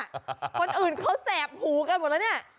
คนอื่นเขาแสบหูกันหมดแล้วเนี่ย